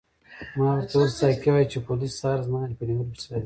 ما ورته وویل ساقي وایي چې پولیس سهار زما په نیولو پسې راځي.